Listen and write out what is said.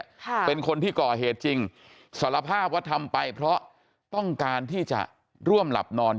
ค่ะเป็นคนที่ก่อเหตุจริงสารภาพว่าทำไปเพราะต้องการที่จะร่วมหลับนอน